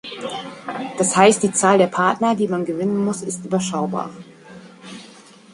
Das heißt die Zahl der Partner, die man gewinnen muss, ist überschaubar.